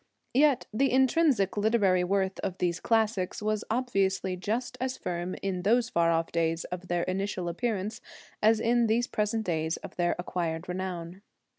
Yet the intrinsic literary worth of these classics was obviously just as firm in those far off days of their initial appearance as in these present days of their acquired renown.